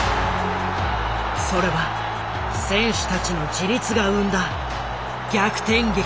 それは選手たちの自立が生んだ逆転劇だった。